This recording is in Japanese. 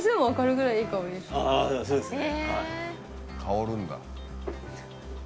そうですね。